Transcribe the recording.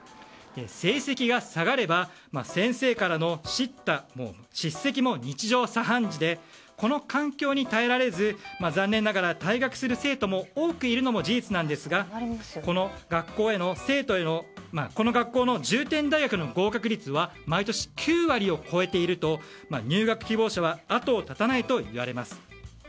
成績が下がれば先生からの叱責も日常茶飯事でこの環境に耐えられず残念ながら退学する生徒も多くいるのも事実なんですがこの学校の重点大学の合格率は毎年９割を超えていると入学希望者は後を絶たないといわれます。